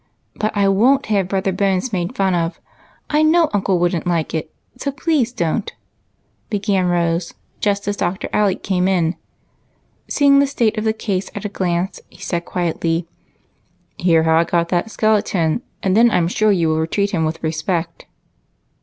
But I won't have Brother Bones made fun of. I know uncle would n't like it, so please don't," began Rose just as Dr. Alec came in, and, seeing the state of the case at a glance, he said quietly, —" Hear how I got that skeleton, and then I 'm sure you will treat it with respect."